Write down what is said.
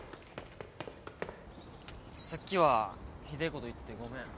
さっきはひでえこと言ってごめん。